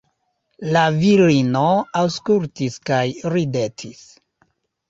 La virino aŭskultis kaj ridetis.